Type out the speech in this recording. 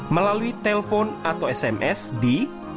melalui telepon atau sms di